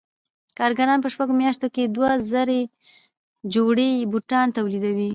کارګران په شپږو میاشتو کې دوه زره جوړې بوټان تولیدوي